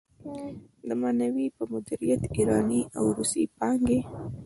د معنوي په مديريت ايراني او روسي پانګې.